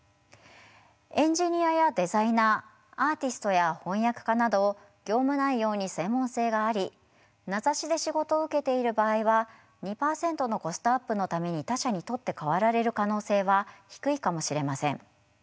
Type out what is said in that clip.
エンジニアやデザイナーアーティストや翻訳家など業務内容に専門性があり名指しで仕事を受けている場合は２％のコストアップのために他者に取って代わられる可能性は低いかもしれません。